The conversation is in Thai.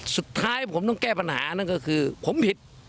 สุดท้ายผมต้องแก้ปัญหานั่นก็คือผมผิด